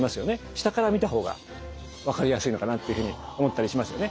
下から見た方が分かりやすいのかなというふうに思ったりしますよね。